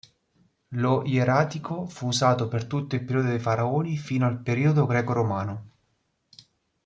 Lo ieratico fu usato per tutto il periodo dei faraoni fino al Periodo greco-romano.